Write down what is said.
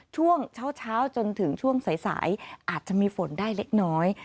ช่วงเช้าจนถึงช่วงสายอาจจะมีฝนได้เล็กน้อย